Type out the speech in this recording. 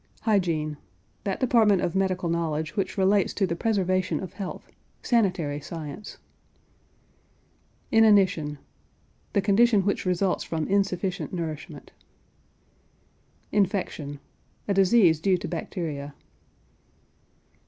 HYGIENE. That department of medical knowledge which relates to the preservation of health; sanitary science. INANITION. The condition which results from insufficient nourishment. INFECTION. A disease due to bacteria.